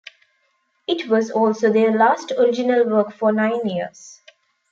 It was also their last original work for nine years.